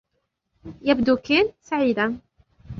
يبدو كين سعيداً.